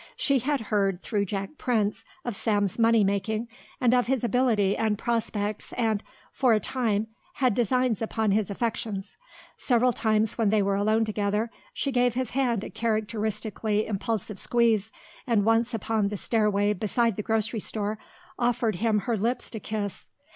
She had heard, through Jack Prince, of Sam's money making and of his ability and prospects and, for a time, had designs upon his affections. Several times when they were alone together she gave his hand a characteristically impulsive squeeze and once upon the stairway beside the grocery store offered him her lips to kiss.